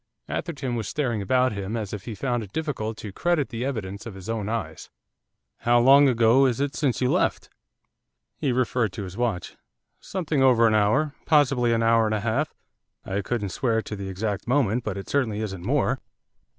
Atherton was staring about him as if he found it difficult to credit the evidence of his own eyes. 'How long ago is it since you left?' He referred to his watch. 'Something over an hour, possibly an hour and a half; I couldn't swear to the exact moment, but it certainly isn't more.